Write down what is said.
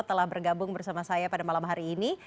telah bergabung bersama saya pada malam hari ini